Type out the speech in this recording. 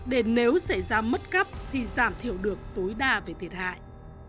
để nếu xảy ra mất cắp thì giảm thiểu được tối đa về thiệt hại